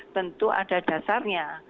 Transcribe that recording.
tentu ada dasarnya